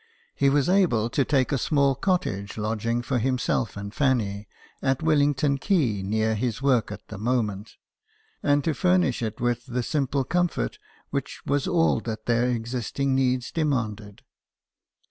He was able to take a small cottage lodging for himself and Fanny, at Willington Quay, near his work at the moment, and to furnish it with the simple comfort which was all that their existing needs demanded.